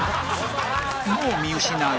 もう見失う